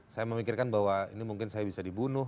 saya memikirkan bahwa ini mungkin saya bisa dibunuh